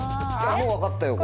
もう分かったよ。